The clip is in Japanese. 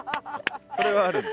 それはあるんだ。